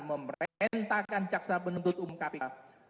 memerintahkan jaksa penuntut umum kpk